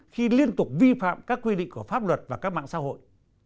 khi liên tục vi phạm các quy định của pháp luật và các mạng xã hội